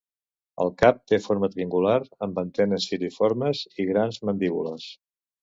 El cap té forma triangular, amb antenes filiformes i grans mandíbules.